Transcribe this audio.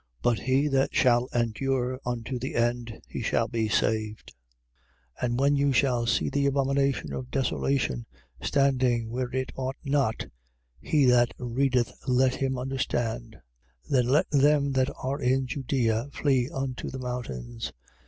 But he that shall endure unto the end, he shall be saved. 13:14. And when you shall see the abomination of desolation, standing where it ought not (he that readeth let him understand): then let them that are in Judea flee unto the mountains.